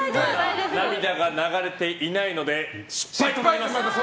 涙が流れていないので失敗となります。